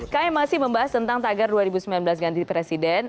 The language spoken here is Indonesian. kami masih membahas tentang tagar dua ribu sembilan belas ganti presiden